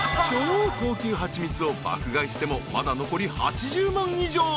［超高級蜂蜜を爆買いしてもまだ残り８０万以上］